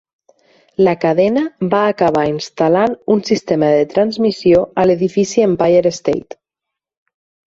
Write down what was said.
La cadena va acabar instal·lant un sistema de transmissió a l'edifici Empire State.